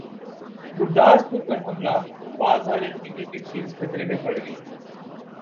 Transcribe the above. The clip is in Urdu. گورداسپور پر حملہ پاک بھارت کرکٹ سیریز خطرے میں پڑگئی